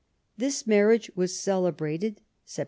This marriage was celebrated, Sept.